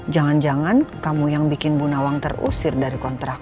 jangan jangan kamu yang bikin bu nawang terusir dari kontrak